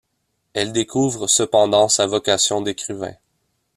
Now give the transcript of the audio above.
Elle découvre cependant sa vocation d'écrivain.